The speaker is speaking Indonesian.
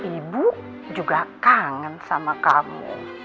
ibu juga kangen sama kamu